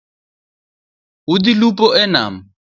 Odhi lupo nam.